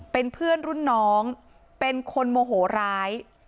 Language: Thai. เป็นเพื่อนรุ่นน้องเป็นคนโมโหร้าย